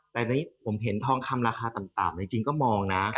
แต่ผมเห็นทองคำราคาต่ำจริงก็มองนะ